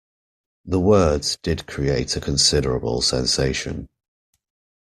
The words did create a considerable sensation.